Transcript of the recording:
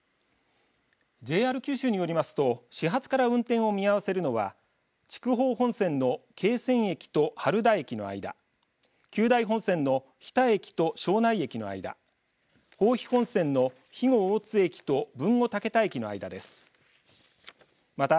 ＪＲ九州によりますと始発から運転を見合わせるのは筑豊本線の桂川駅と原田駅の間九大本線の日田駅と庄内駅の間豊肥本線の肥後大津駅と豊後竹田駅の間です。